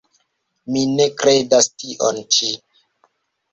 Mi ne kredas tion ĉi.